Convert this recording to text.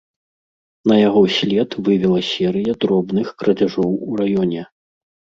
На яго след вывела серыя дробных крадзяжоў у раёне.